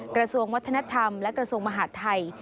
กระทรวงวัฒนธรรมและกระทรวงมหาดไทย